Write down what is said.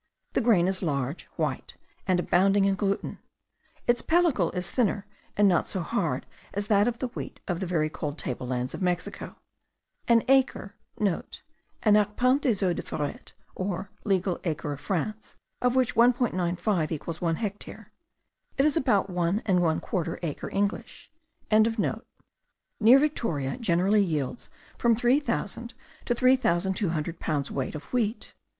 The grain is large, white, and abounding in gluten; its pellicle is thinner and not so hard as that of the wheat of the very cold table lands of Mexico. An acre* (* An arpent des eaux et forets, or legal acre of France, of which 1.95 = 1 hectare. It is about 1 1/4 acre English.) near Victoria generally yields from three thousand to three thousand two hundred pounds weight of wheat.